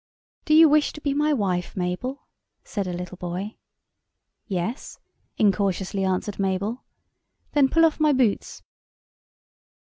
'Do you wish to be my wife, Mabel?' said a little boy. 'Yes,' incautiously answered Mabel. 'Then pull off my boots.'